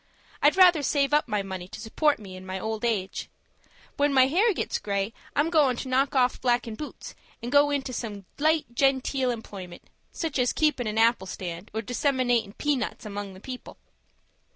I'd rather save up my money to support me in my old age. When my hair gets gray, I'm goin' to knock off blackin' boots, and go into some light, genteel employment, such as keepin' an apple stand, or disseminatin' pea nuts among the people.